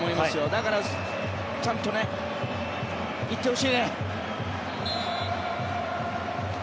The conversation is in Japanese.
だからちゃんと行ってほしいね。